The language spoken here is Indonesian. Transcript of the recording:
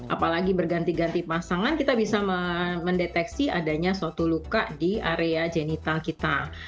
apalagi berganti ganti pasangan kita bisa mendeteksi adanya suatu luka di area genital kita